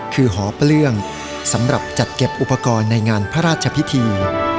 คือหอเปลื้องสำหรับจัดเก็บอุปกรณ์ในงานพระราชพิธี